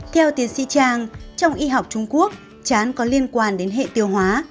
theo tiến sĩ trang trong y học trung quốc chán có liên quan đến hệ tiêu hóa